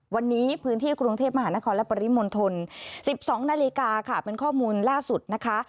วันนี้พื้นที่กรุงเทพมหานครและปริมณฑล๑๒นาฬิกาค่ะเป็นข้อมูลล่าสุดนะคะ